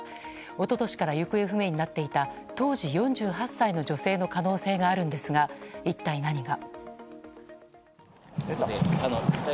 一昨年から行方不明になっていた当時４８歳の女性の可能性があるんですが一体、何が。